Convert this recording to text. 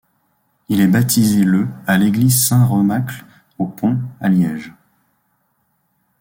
Il est baptisé le à l'église Saint-Remacle-au-Pont à Liège.